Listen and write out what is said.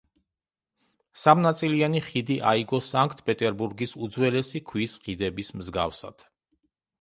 სამნაწილიანი ხიდი აიგო სანქტ-პეტერბურგის უძველესი ქვის ხიდების მსგავსად.